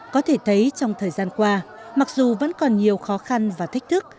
có thể thấy trong thời gian qua mặc dù vẫn còn nhiều khó khăn và thách thức